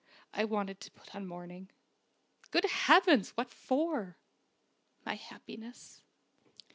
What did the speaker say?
I wanted to put on mourning." "Good heavens! What for?" "My happiness."